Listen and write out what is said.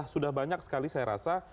sudah banyak sekali saya rasa